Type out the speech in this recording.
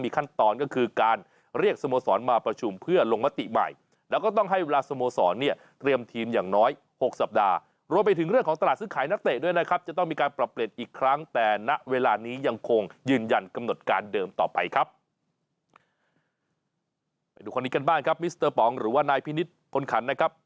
การปรับเปลี่ยนอีกครั้งแต่นักเวลานี้ยังคงยืนยันกำหนดการเดิมต่อไปครับทุกคนดีกันบ้างครับมิสเตอร์ปองหรือว่านายพินิศคนขันนะครับ